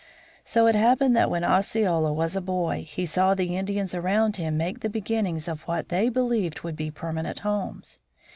So it happened that when Osceola was a boy he saw the Indians around him make the beginnings of what they believed would be permanent homes.